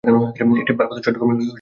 এটি পার্বত্য চট্টগ্রামের রাজধানী শহরও।